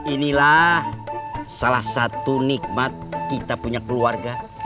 inilah salah satu nikmat kita punya keluarga